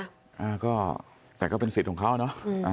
อ่าก็แต่ก็เป็นสิทธิ์ของเขาเนอะ